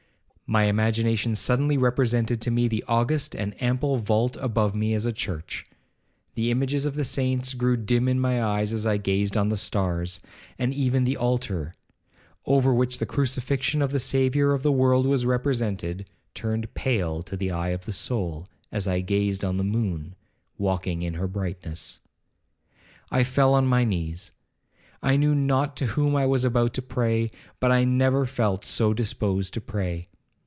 My imagination suddenly represented to me the august and ample vault above me as a church,—the images of the saints grew dim in my eyes as I gazed on the stars, and even the altar, over which the crucifixion of the Saviour of the world was represented, turned pale to the eye of the soul, as I gazed on the moon 'walking in her brightness.' I fell on my knees. I knew not to whom I was about to pray, but I never felt so disposed to pray.